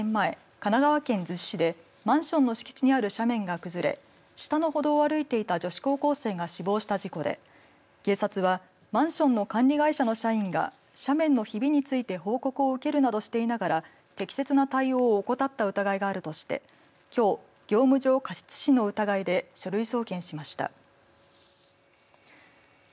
３年前、神奈川県逗子市でマンションの敷地にある斜面が崩れ下の歩道を歩いていた女子高校生が死亡した事故で警察はマンションの管理会社の社員が斜面のひびについて報告を受けるなどしていながら適切な対応を怠った疑いがあるとしてきょう業務上過失致死の疑いで書類送検しました。